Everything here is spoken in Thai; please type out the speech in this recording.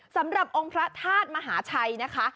สำหรับองค์พระธาตุมหาชัยนะคะ